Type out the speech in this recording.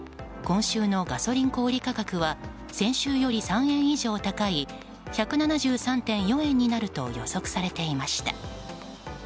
今週のガソリン小売価格は先週より３円以上高い１７３．４円になると予測されていました。